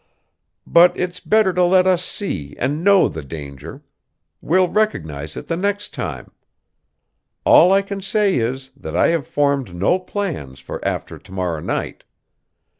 But it's better to let us see and know the danger; we'll recognize it the next time. All I can say is, that I have formed no plans for after to morrow night!